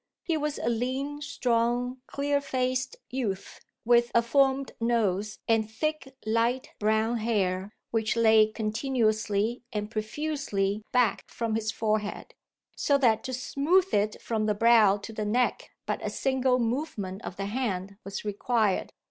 He was a lean, strong, clear faced youth, with a formed nose and thick light brown hair which lay continuously and profusely back from his forehead, so that to smooth it from the brow to the neck but a single movement of the hand was required.